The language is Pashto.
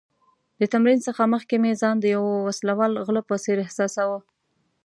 د تمرین څخه مخکې مې ځان د یو وسله وال غله په څېر احساساوه.